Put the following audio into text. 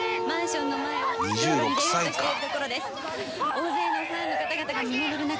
大勢のファンの方々が見守る中。